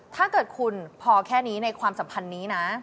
ถ้าเกิดคุณพอแค่นี้ในความสัมพันธ์นี้นะ